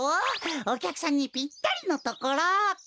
おきゃくさんにぴったりのところ。